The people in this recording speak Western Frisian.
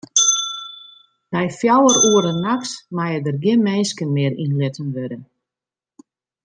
Nei fjouwer oere nachts meie der gjin minsken mear yn litten wurde.